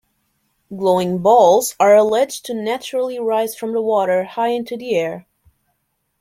Glowing balls are alleged to naturally rise from the water high into the air.